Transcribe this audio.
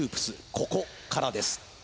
ここからです